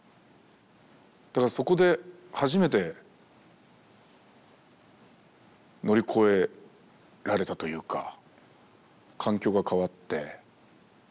だからそこで初めて乗り越えられたというか環境が変わって。